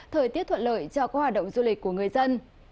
thời tiết thuận lợi cho các hoạt động du lịch của người dân